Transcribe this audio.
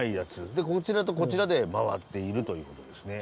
でこちらとこちらで回っているという事ですね。